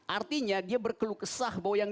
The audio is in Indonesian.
artinya dia berkeluh kesah bahwa yang